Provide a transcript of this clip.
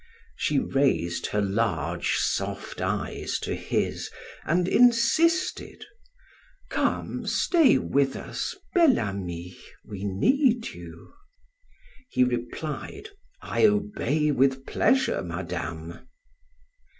She raised her large, soft eyes to his and insisted: "Come, stay with us Bel Ami we need you!" He replied: "I obey with pleasure, Madame!"